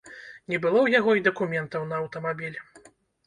Не было ў яго і дакументаў на аўтамабіль.